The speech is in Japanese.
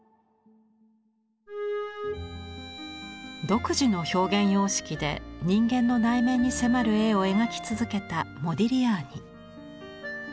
独自の表現様式で人間の内面に迫る絵を描き続けたモディリアーニ。